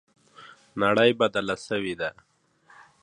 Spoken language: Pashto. نړۍ بدله سوې ده.